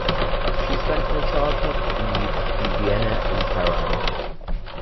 She spent her childhood and youth in Vienna and Tehran.